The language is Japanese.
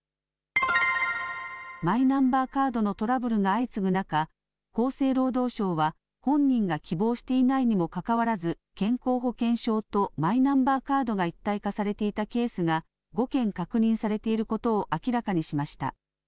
マイナンバーカードのトラブルが相次ぐ中、厚生労働省は、本人が希望していないにもかかわらず健康保険証とマイナンバーカードが一体化されていたケースが、５件確認されていることを明らかにしました。